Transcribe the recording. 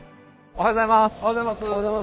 おはようございます。